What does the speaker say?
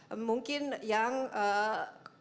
tapi ada juga mungkin yang diperbaiki